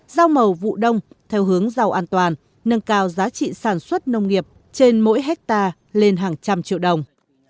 rau màu vụ đông theo hướng giàu an toàn nâng cao giá trị sản xuất nông nghiệp trên mỗi hectare lên hàng trăm triệu đồng